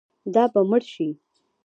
دا به مړ شي.